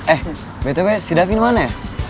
eh betul betul si davin mana ya